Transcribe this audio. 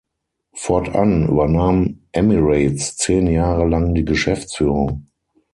Fortan übernahm Emirates zehn Jahre lang die Geschäftsführung.